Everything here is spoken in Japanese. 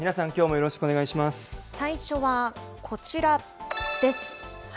最初はこちらです。